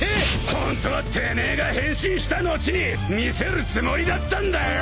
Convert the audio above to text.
ホントはてめえが変身した後に見せるつもりだったんだよ！